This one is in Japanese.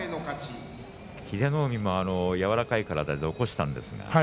英乃海も柔らかい体で残したんですけどね。